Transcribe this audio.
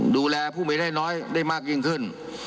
ดูแลผู้มีได้น้อยได้มากยิ่งขึ้น